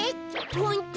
ホント？